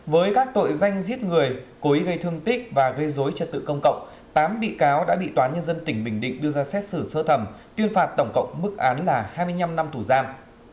với các tội danh giết người cố ý gây thương tích và gây dối trật tự công cộng tám bị cáo đã bị tòa nhân dân tỉnh bình định đưa ra xét xử sơ thẩm tuyên phạt tổng cộng mức án là hai mươi năm năm tù giam